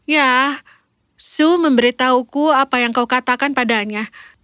ya su memberitahuku apa yang kau katakan padanya